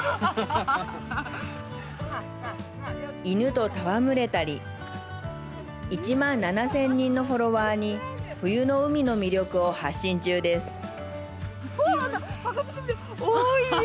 犬と戯れたり１万７０００人のフォロワーに冬の海の魅力を発信中です。